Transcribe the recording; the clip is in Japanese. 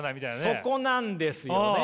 そこなんですよね。